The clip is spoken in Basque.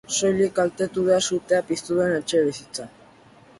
Soilik kaltetu da sutea piztu den etxebizitza.